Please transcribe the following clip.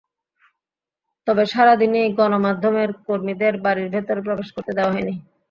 তবে সারা দিনই গণমাধ্যমের কর্মীদের বাড়ির ভেতরে প্রবেশ করতে দেওয়া হয়নি।